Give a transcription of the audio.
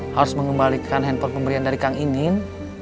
harus mengembalikan handphone pemberian dari kang imin